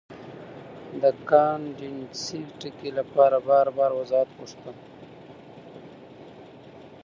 د کانټېنجنسي ټکي له پاره بار بار وضاحت غوښتۀ